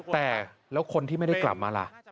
แต่แล้วคนที่ไม่ได้กลับมาล่ะ